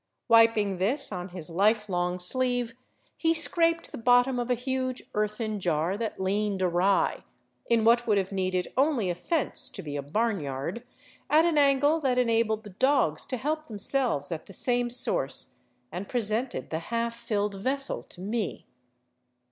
Wiping this on his lifelong sleeve, he scraped the bottom of a huge earthen jar that leaned awry, in what would have needed only a fence to be a barnyard, at an angle that enabled the dogs to help themselves at the same source, and presented the half filled vessel to me.